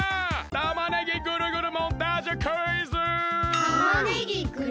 たまねぎぐるぐるモンタージュクイズ！